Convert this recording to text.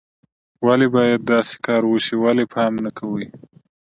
ولې باید داسې کار وشي، ولې پام نه کوئ